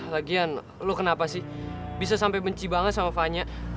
lagian lu kenapa sih bisa sampai benci banget sama fanya